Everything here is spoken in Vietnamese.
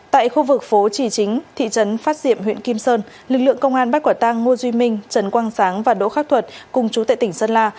tại khu vực phố trì chính thị trấn phát diệm huyện kim sơn lực lượng công an bắt quả tăng ngô duy minh trần quang sáng và đỗ khắc thuật cùng chú tệ tỉnh sơn la